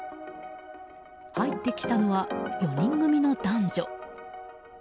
入ってきたのは４人組の男女。